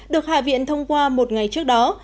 được hạ viện thông qua một ngày trước đó